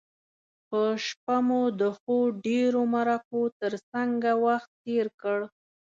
په شپه مو د ښو ډیرو مرکو تر څنګه وخت تیر کړ.